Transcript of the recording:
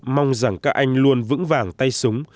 mong rằng các anh luôn vững vàng tay súng